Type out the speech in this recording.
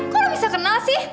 kok lo bisa kenal sih